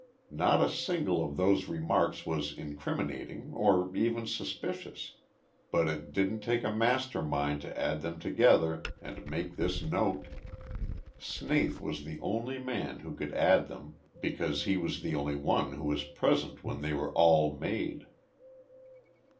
"Not a single one of those remarks was incriminating or even suspicious but it didn't take a master mind to add them together and make this note! Snaith was the only man who could add them, because he was the only one who was present when they were all made!"